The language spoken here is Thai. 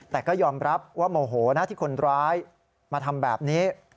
แต่ก็ยอมรับว่าโมโหนะที่คนร้ายมาทำแบบนี้